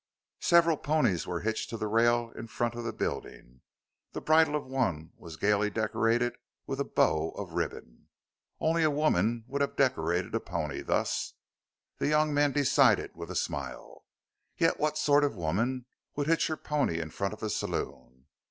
Several ponies were hitched to the rail in front of the building; the bridle of one was gaily decorated with a bow of ribbon. Only a woman would have decorated a pony thus, the young man decided with a smile. Yet what sort of woman would hitch her pony in front of a saloon?